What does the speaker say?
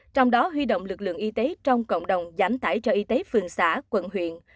trong đó huy động lực lượng y tế trong cộng đồng giảm tải cho y tế phường xã quận huyện